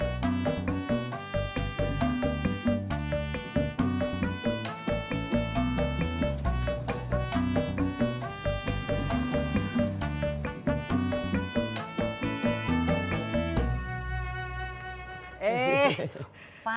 terima kasih pak